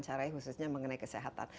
caranya khususnya mengenai kesehatan